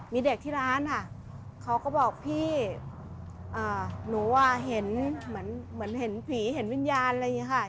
มีเด็กที่ร้านอะค้าก็บอกพี่อ่าหนูอ่ะเห็นเหมือนเห็นผีเห็นวิญญาณ